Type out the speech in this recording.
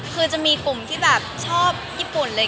คือจะมีกลุ่มที่แบบชอบญี่ปุ่นเลย